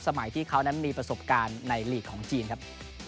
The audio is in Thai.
สมัยที่เขานั้นมีประสบการณ์ในลีกของจีนครับ